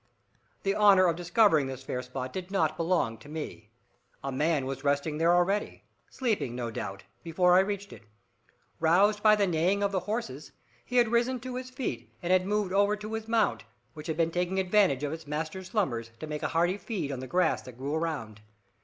The honour of discovering this fair spot did not belong to me. A man was resting there already sleeping, no doubt before I reached it. Roused by the neighing of the horses, he had risen to his feet and had moved over to his mount, which had been taking advantage of its master's slumbers to make a hearty feed on the grass that grew around.